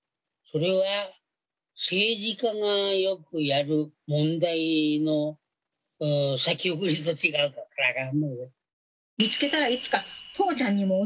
これは政治家がよくやる問題の先送りと違うかな」。